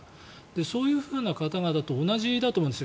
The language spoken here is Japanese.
そういう方々と同じだと思うんです。